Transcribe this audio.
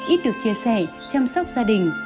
ít được chia sẻ chăm sóc gia đình